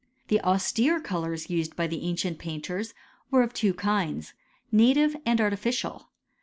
The austere colours used by the ancient painters were of two kinds, native and artificial.